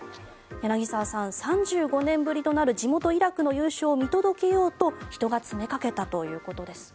柳澤さん、３５年ぶりとなる地元イラクの優勝を見届けようと人が詰めかけたということです。